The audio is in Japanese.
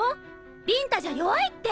ビンタじゃ弱いって！